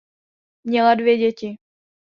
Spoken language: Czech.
Měla dvě děti.